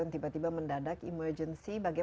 yang paling perluan